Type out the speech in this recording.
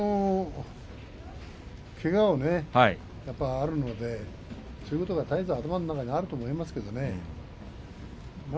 けががあるのでそういうことは絶えず頭の中にあると思いますけどね。